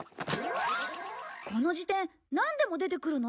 この事典なんでも出てくるの？